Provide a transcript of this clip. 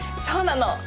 そうなの。